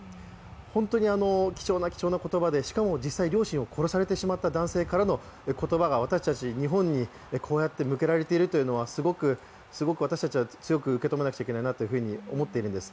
本当に貴重な貴重な言葉でしかも実際に両親を殺されてしまった男性からの言葉が、私たち、日本に向けられているということはすごくすごく私たちは強く受け止めなければいけないなと思っているんです。